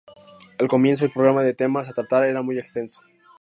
Al comienzo, el programa de temas a tratar era muy extenso.